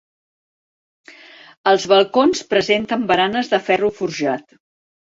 Els balcons presenten baranes de ferro forjat.